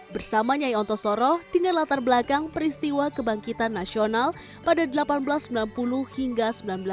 bersama nyai ontosoro dengan latar belakang peristiwa kebangkitan nasional pada seribu delapan ratus sembilan puluh hingga seribu sembilan ratus sembilan puluh